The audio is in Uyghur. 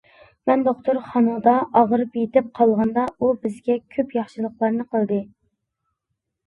مەن دوختۇرخانىدا ئاغرىپ يېتىپ قالغاندا، ئۇ بىزگە كۆپ ياخشىلىقلارنى قىلدى.